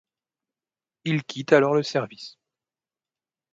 Il quitte alors le service.